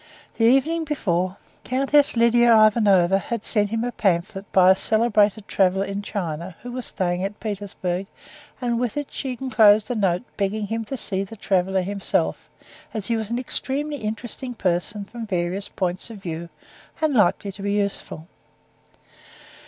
The evening before, Countess Lidia Ivanovna had sent him a pamphlet by a celebrated traveler in China, who was staying in Petersburg, and with it she enclosed a note begging him to see the traveler himself, as he was an extremely interesting person from various points of view, and likely to be useful.